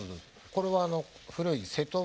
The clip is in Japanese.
これは古い瀬戸物の。